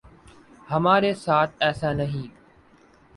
ہمارے ساتھ ایسا نہیں۔